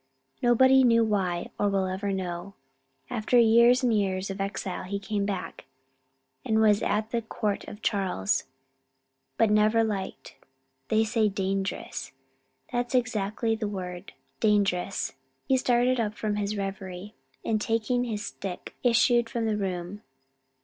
Nobody knew why, or ever will know. After years and years of exile he came back, and was at the Court of Charles, but never liked, they say dangerous! That 's exactly the word, dangerous!" He started up from his revery, and, taking his stick, issued from the room.